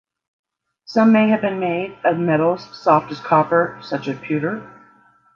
Some may have been made of metals soft as copper, such as pewter.